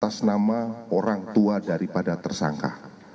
atas nama orang tua daripada tersangka